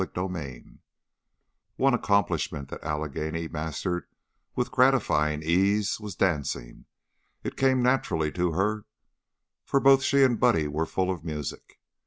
CHAPTER XIV One accomplishment that Allegheny mastered with gratifying ease was dancing. It came naturally to her, for both she and Buddy were full of music.